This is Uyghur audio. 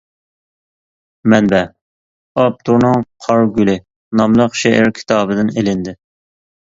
مەنبە: ئاپتورنىڭ «قار گۈلى» ناملىق شېئىر كىتابىدىن ئېلىندى.